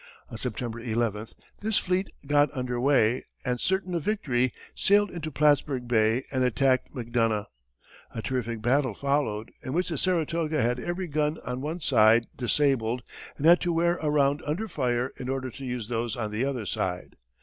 On September 11, this fleet got under way, and, certain of victory, sailed into Plattsburg Bay and attacked Macdonough. A terrific battle followed, in which the Saratoga had every gun on one side disabled and had to wear around under fire in order to use those on the other side.